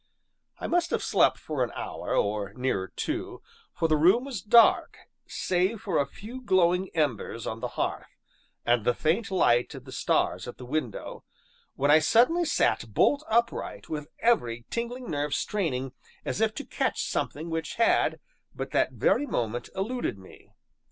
I must have slept for an hour, or nearer two (for the room was dark, save for a few glowing embers on the hearth, and the faint light of the stars at the window), when I suddenly sat bolt upright, with every tingling nerve straining as if to catch something which had, but that very moment, eluded me.